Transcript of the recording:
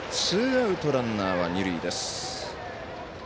ツーアウトランナー、二塁です。